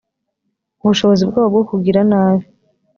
ubushobozi bwabo bwo kugira nabi